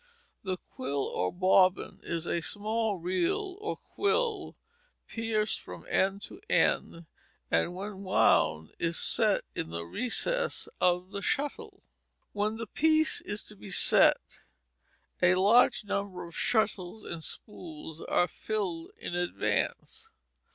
The quill or bobbin is a small reed or quill, pierced from end to end, and when wound is set in the recess of the shuttle. When the piece is to be set, a large number of shuttles and spools are filled in advance.